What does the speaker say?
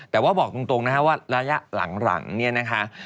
แต่ว่าบอกตรงนะคะว่าระยะหลังเนี่ยนะคะ